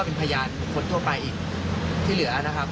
เป็นพยานหมวกค้นทั่วไปเลย